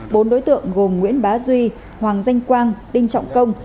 bốn đối tượng gồm nguyễn bá duy hoàng danh quang đinh trọng công